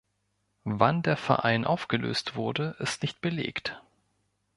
Wann der Verein aufgelöst wurde, ist nicht belegt.